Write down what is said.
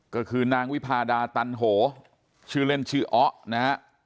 ก็คือนางวิพาดาตันโหชื่อเล่นชื่ออ๊นะฮะ